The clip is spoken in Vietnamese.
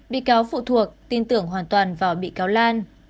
bị cáo phụ thuộc tin tưởng hoàn toàn vào bị cáo lan